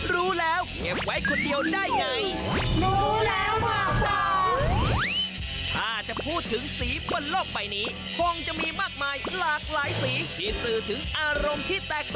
รู้แล้วบอกต่อ